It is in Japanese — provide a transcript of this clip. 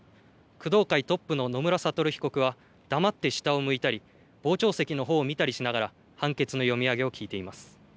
工藤会トップの野村悟被告は黙って下を向いたり傍聴席のほうを見たりしながら判決の読み上げを聞いています。